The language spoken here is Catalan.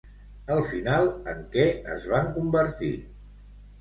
Al final en què es va convertir?